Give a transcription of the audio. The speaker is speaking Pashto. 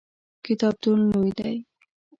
کتابتون لوی دی؟